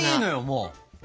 もう。